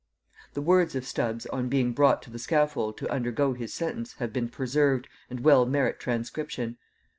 The words of Stubbs on being brought to the scaffold to undergo his sentence have been preserved, and well merit transcription.